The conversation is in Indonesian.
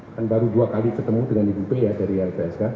kan baru dua kali ketemu dengan ibu p ya dari lpsk